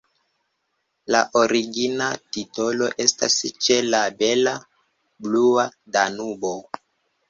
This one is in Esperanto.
La origina titolo estas Ĉe la bela blua Danubo.